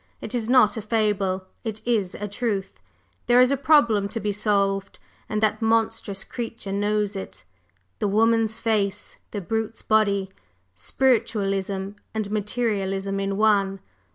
It is not a fable; it is a truth. There is a problem to be solved, and that monstrous creature knows it! The woman's face, the brute's body Spiritualism and Materialism in one!